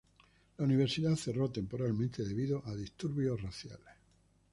La universidad cerró temporalmente debido a disturbios raciales.